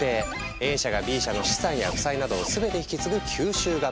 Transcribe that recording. Ａ社がＢ社の資産や負債などを全て引き継ぐ「吸収合併」。